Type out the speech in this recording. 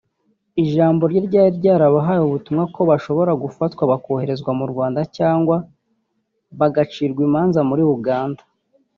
ijambo rye ryari ryarabahaye ubutumwa ko bashobora gufatwa bakoherezwa mu Rwanda cyangwa bagacirwa imanza muri Uganda